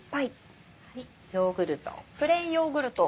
ヨーグルト。